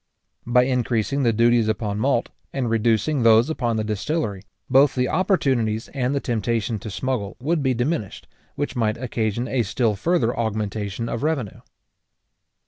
} By increasing the duties upon malt, and reducing those upon the distillery, both the opportunities and the temptation to smuggle would be diminished, which might occasion a still further augmentation of revenue.